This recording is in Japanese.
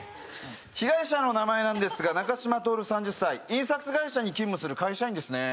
被害者の名前なんですが中嶋享３０歳印刷会社に勤務する会社員ですね